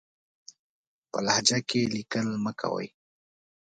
په لهجه کې ليکل مه کوئ!